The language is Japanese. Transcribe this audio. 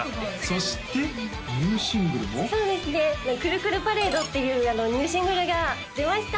そうですね「くるくるパレード」っていうニューシングルが出ました！